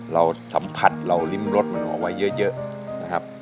แล้วเจ้าตัวนี้กระโดดตัวปิวเลยนะครับ